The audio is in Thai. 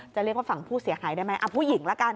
จะเรียกว่าฝั่งผู้เสียหายได้ไหมผู้หญิงละกัน